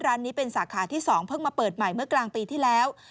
ร้านนี้เป็นสาขาที่๒เพิ่งมาเปิดใหม่เมื่อกลางปีที่แล้ว